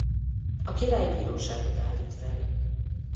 A király bíróságot állít fel.